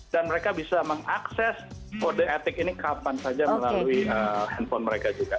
dan mereka bisa mengakses for the attic ini kapan saja melalui handphone mereka juga